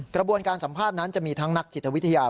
กระบวนการสัมภาษณ์นั้นจะมีทั้งนักจิตวิทยา